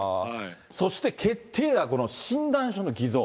そして決定打、この診断書の偽造。